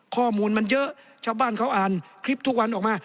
ข้อมูลมันเยอะชาวบ้านเขาอ่านคลิปทุกวันออกมา